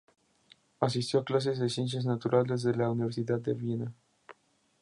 Asistió a clases de Ciencias Naturales de la Universidad de Viena.